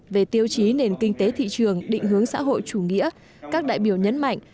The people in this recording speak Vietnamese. về tiêu chí nền kinh tế thị trường định hướng xã hội chủ nghĩa các đại biểu nhấn mạnh